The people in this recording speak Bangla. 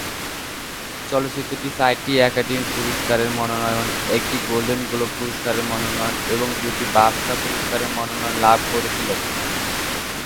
চলচ্চিত্রটি চারটি একাডেমি পুরস্কারের মনোনয়ন, একটি গোল্ডেন গ্লোব পুরস্কারের মনোনয়ন এবং দুটি বাফটা পুরস্কারের মনোনয়ন লাভ করেছিল।